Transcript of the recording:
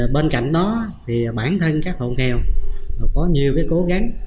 bên cạnh đó thì bản thân các hộ nghèo có nhiều cố gắng